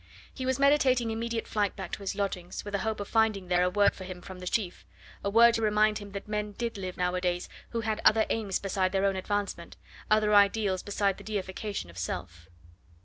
He was meditating immediate flight back to his lodgings, with a hope of finding there a word for him from the chief a word to remind him that men did live nowadays who had other aims besides their own advancement other ideals besides the deification of self.